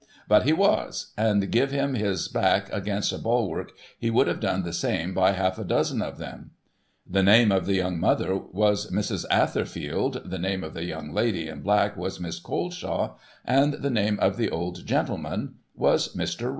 But he was ; and give him his back against a bulwark, he would have done the same by half a dozen of them. The name of the young mother was Mrs. Ather field, the name of the young lady in black was Miss Coleshaw, and the name of the old gentleman was I\Ir.